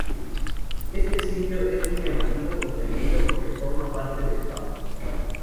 Este sitio es muy llamativo y tranquilo porque forma parte del campo.